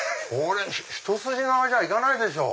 ひと筋縄じゃ行かないでしょ。